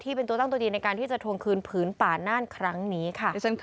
เป็นตัวตั้งตัวดีในการที่จะทวงคืนผืนป่าน่านครั้งนี้ค่ะ